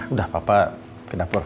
udah papa ke dapur